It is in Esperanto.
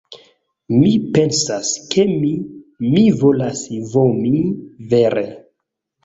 Mi pensas, ke mi... mi volas vomi... vere.